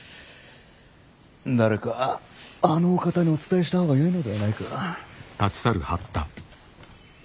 誰かあのお方にお伝えした方がよいのではないか。